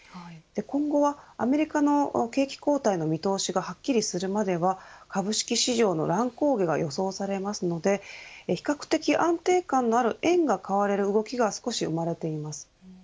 今後はアメリカの景気後退の見通しがはっきりするまでは、株式市場の乱高下が予想されるので、比較的安定感のある円が買われる動きが少し見られています。